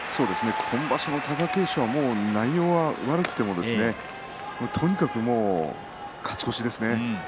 今場所の貴景勝は内容は悪くてもとにかく勝ち越しですね。